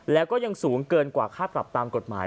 แล้วก็ยังสูงเกินกว่าค่าปรับตามกฎหมาย